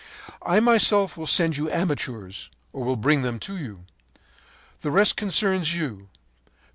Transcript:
“'I myself will send you amateurs, or will bring them to you. The rest concerns you.